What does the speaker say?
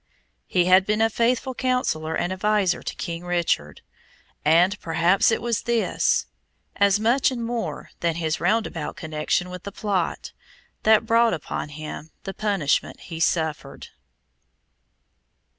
He had been a faithful counsellor and adviser to King Richard, and perhaps it was this, as much and more than his roundabout connection with the plot, that brought upon him the punishment he suffered.